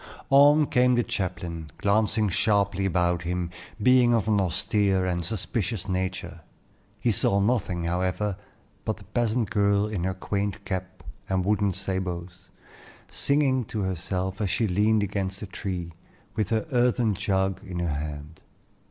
On came the chaplain, glancing sharply about him, being of an austere and suspicious nature. He saw nothing, however, but the peasant girl in her quaint cap and wooden sabots, singing to herself as she leaned against a tree, with her earthen jug in her hand.